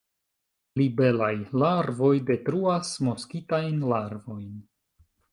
Libelaj larvoj detruas moskitajn larvojn.